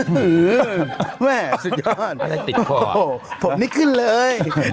หื้อสุดยอดอะไรติดคั่วผมไม่ขึ้นเลย